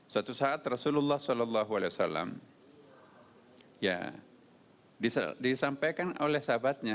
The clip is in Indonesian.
suatu saat rasulullah saw disampaikan oleh sahabatnya